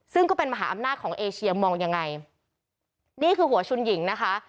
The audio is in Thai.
ซึ่งก็เป็นมหาอำนาจของเอเชียมองยังไงนี่คือหัวชุนหญิงนะคะ